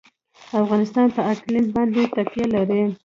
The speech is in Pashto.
افغانستان په اقلیم باندې تکیه لري.